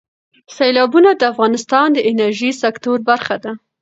سیلابونه د افغانستان د انرژۍ سکتور برخه ده.